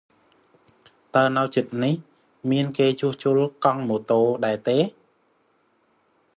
តើនៅជិតនេះ មានគេជួសជុលម៉ូតូកង់ដែរទេ?